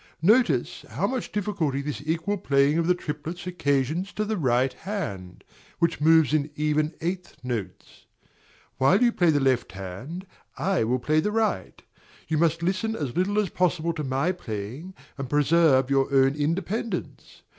Notice how much difficulty this equal playing of the triplets occasions to the right hand, which moves in even eighth notes. While you play the left hand, I will play the right: you must listen as little as possible to my playing, and preserve your own independence.